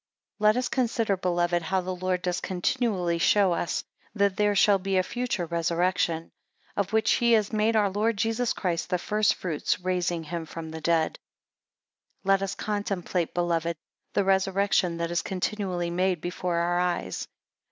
16 Let us consider, beloved, how the Lord does continually show us, that there shall be a future resurrection; of which he has made our Lord Jesus Christ the first fruits, raising him from the dead. 17 Let us contemplate, beloved, the resurrection that is continually made before our eyes.